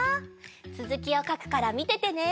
つづきをかくからみててね！